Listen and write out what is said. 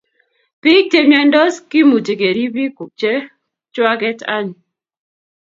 pik che myandos kimuche kerip pik che chwaket any